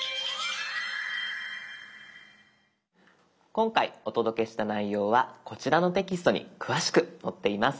今回お届けした内容はこちらのテキストに詳しく載っています。